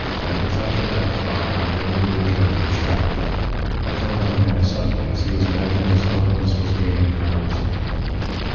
At the touch of that thought my dream of a return was shattered. I turned on the man suddenly, as he was imagining his eloquence was gaining ground with me.